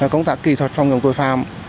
công tác kỹ thuật phòng trọng tội phạm